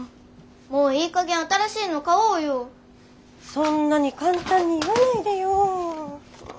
そんなに簡単に言わないでよ。